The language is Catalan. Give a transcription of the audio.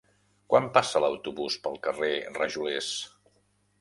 Quan passa l'autobús pel carrer Rajolers?